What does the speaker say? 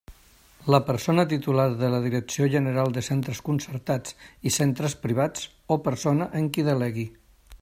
La persona titular de la Direcció General de Centres Concertats i Centres Privats o persona en qui delegui.